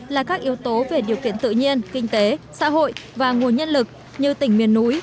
là các yếu tố về điều kiện tự nhiên kinh tế xã hội và nguồn nhân lực như tỉnh miền núi